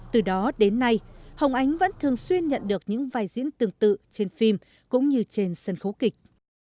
từ đó đến nay hồng ánh vẫn thường xuyên nhận được những vai diễn tương tự trên phim cũng như trên sân khấu kịch